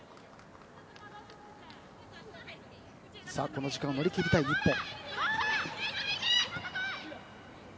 この時間を乗り切りたい日本。